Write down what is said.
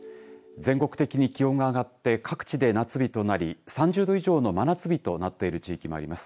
全国的に気温が上がって各地で夏日となり３０度以上の真夏日となっている地域もあります。